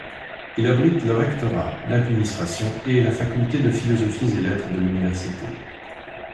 Il abrite le rectorat, l'administration et la faculté de philosophie et lettres de l'université.